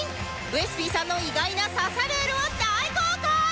ウエス Ｐ さんの意外な刺さルールを大公開